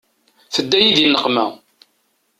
Tedda-yi di nneqma.